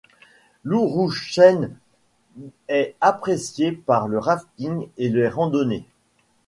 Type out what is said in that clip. L'Ourouchten est appréciée pour le rafting et les randonnées.